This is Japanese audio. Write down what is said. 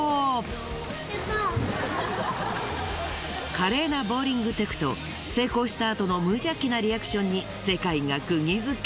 華麗なボウリングテクと成功した後の無邪気なリアクションに世界が釘付け！